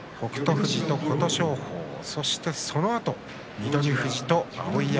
富士と琴勝峰そして、そのあと翠富士と碧山。